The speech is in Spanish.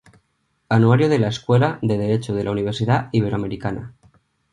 Anuario de la Escuela de Derecho de la Universidad Iberoamericana.